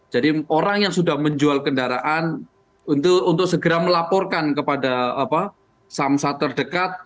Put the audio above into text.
jadi orang yang sudah menjual kendaraan untuk segera melaporkan kepada apa samsa terdekat